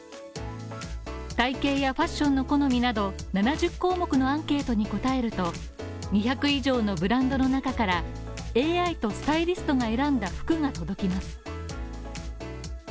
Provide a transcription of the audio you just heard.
体型やファッションの好みなど７０項目のアンケートに答えると、２００以上のブランドの中からＡＩとスタイリストが選んだ服が届きます。